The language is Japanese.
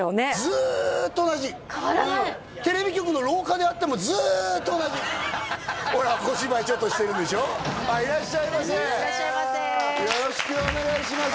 ずーっと同じ変わらないテレビ局の廊下で会ってもずーっと同じほら小芝居ちょっとしてるでしょいらっしゃいませいらっしゃいませよろしくお願いします